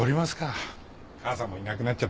母さんもいなくなっちゃったことだし。